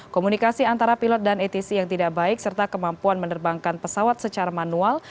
komunikasi antara pilot dan atc yang tidak baik serta kemampuan menerbangkan pesawat secara manual